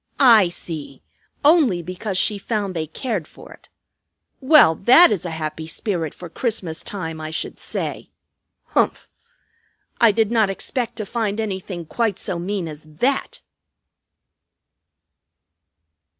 I see! Only because she found they cared for it. Well, that is a happy spirit for Christmas time, I should say! Humph! I did not expect to find anything quite so mean as _that!